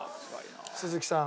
鈴木さん。